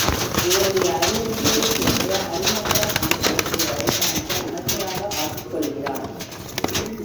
இவருடைய அறிவுடைமையைக் கேட்டு, அரிமர்த்தன பாண்டியன் இவரைத் தனக்கு அமைச்சராக ஆக்கிக்கொள்கிறான்.